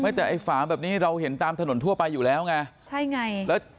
แต่ไอ้ฝาแบบนี้เราเห็นตามถนนทั่วไปอยู่แล้วไงใช่ไงแล้ว